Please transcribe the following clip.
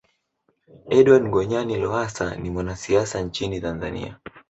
Edward Ngoyayi Lowassa ni mwanasiasa nchini Tanzania